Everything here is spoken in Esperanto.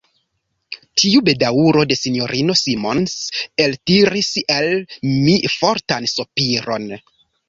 Tiu bedaŭro de S-ino Simons eltiris el mi fortan sopiron.